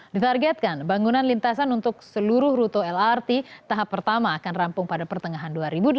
ditargetkan bangunan lintasan untuk seluruh rute lrt tahap pertama akan rampung pada pertengahan dua ribu delapan belas